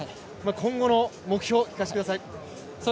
今後の目標、聞かせてください。